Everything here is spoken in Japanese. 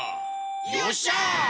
よっしゃ！